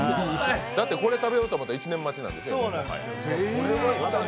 だってこれ食べようと思ったら１年待ちですもん。